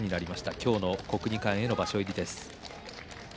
今日の国技館への場所入りです。